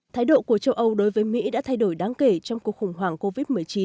thái độ của châu âu đối với mỹ đã thay đổi đáng kể trong cuộc khủng hoảng covid một mươi chín